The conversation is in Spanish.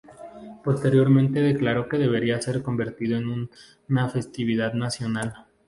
Posteriormente declaró que "debería ser convertido en una festividad nacional".